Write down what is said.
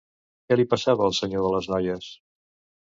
Què li passava al senyor de les noies?